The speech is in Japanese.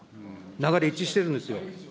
流れ一致してるんですよ。